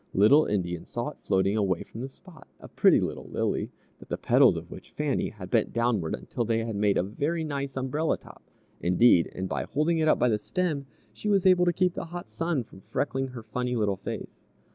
Little Indian saw it floating away from the spot a pretty little lily, the petals of which Fannie had bent downward until they had made a very nice umbrella top, indeed, and by holding it up by the stem, she was able to keep the hot sun from freckling her funny little face.